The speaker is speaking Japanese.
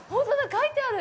書いてある。